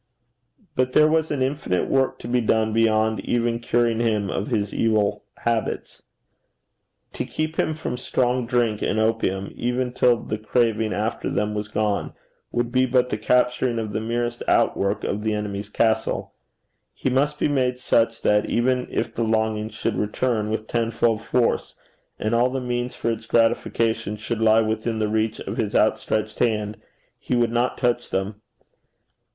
But there was an infinite work to be done beyond even curing him of his evil habits. To keep him from strong drink and opium, even till the craving after them was gone, would be but the capturing of the merest outwork of the enemy's castle. He must be made such that, even if the longing should return with tenfold force, and all the means for its gratification should lie within the reach of his outstretched hand, he would not touch them.